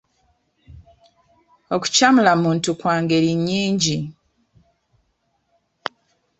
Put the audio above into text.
Okukyamula muntu kwa ngeri nnyingi.